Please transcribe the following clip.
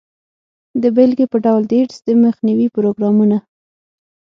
د بیلګې په ډول د ایډز د مخنیوي پروګرامونه.